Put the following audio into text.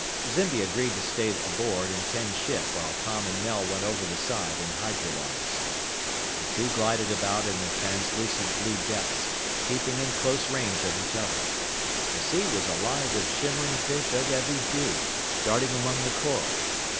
Zimby agreed to stay aboard and tend ship while Tom and Mel went over the side in hydrolungs. The two glided about in the translucent blue depths, keeping in close range of each other. The sea was alive with shimmering fish of every hue, darting among the coral.